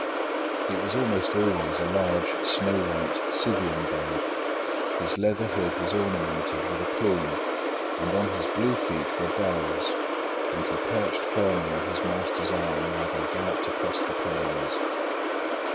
It was almost always a large, snow white, Scythian bird. His leather hood was ornamented with a plume, and on his blue feet were bells; and he perched firmly on his master's arm while they galloped across the plains.